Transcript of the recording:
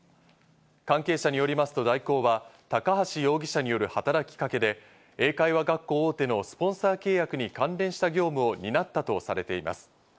関係者によりますと、大広は高橋容疑者による働きかけで、英会話学校大手のスポンサー契約に関連した業務を担ったとされています。